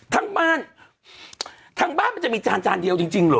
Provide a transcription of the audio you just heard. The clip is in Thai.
ทั้งบ้านทั้งบ้านมันจะมีจานจานเดียวจริงจริงเหรอ